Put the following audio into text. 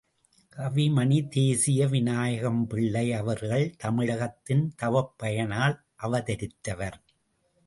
கவிமணி தேசிக வினாயகம்பிள்ளை அவர்கள் தமிழகத்தின் தவப்பயனால் அவதரித்தவர்.